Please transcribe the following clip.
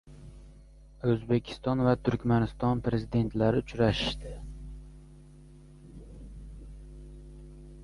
O‘zbekiston va Turkmaniston Prezidentlari uchrashishdi